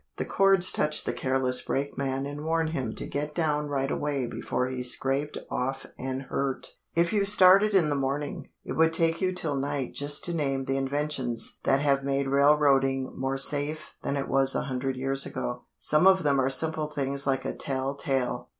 The cords touch the careless brakeman and warn him to get down right away before he's scraped off and hurt. If you started in the morning, it would take you till night just to name the inventions that have made railroading more safe than it was a hundred years ago. Some of them are simple things like a tell tale.